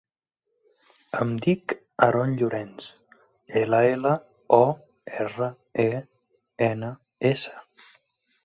Em dic Aron Llorens: ela, ela, o, erra, e, ena, essa.